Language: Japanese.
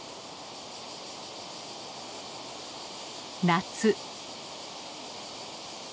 夏。